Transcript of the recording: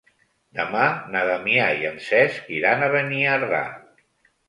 Demà na Damià i en Cesc iran a Beniardà.